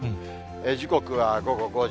時刻は午後５時。